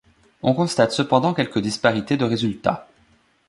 On constate cependant quelques disparités de résultats.